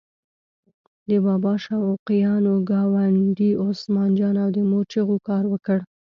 د بابا شوقیانو ګاونډي عثمان جان او د مور چغو کار وکړ.